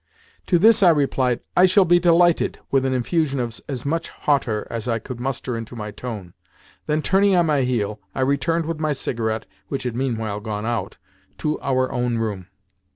To this I replied, "I shall be delighted," with an infusion of as much hauteur as I could muster into my tone. Then, turning on my heel, I returned with my cigarette which had meanwhile gone out to our own room.